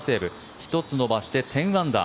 １つ伸ばして１０アンダー。